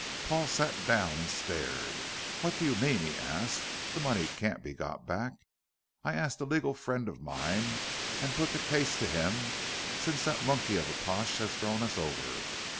Paul sat down and stared. "What do you mean?" he asked. "The money can't be got back. I asked a legal friend of mine, and put the case to him, since that monkey of a Pash has thrown us over.